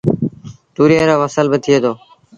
توريئي رو ڦسل با ٿئي دو۔